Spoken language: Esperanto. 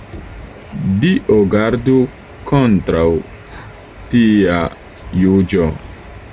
Dio gardu kontraŭ tia juĝo.